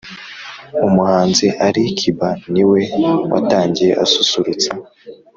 umuhanzi ali kiba ni we watangiye asusurutsa